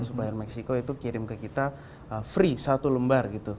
supplier meksiko itu kirim ke kita free satu lembar gitu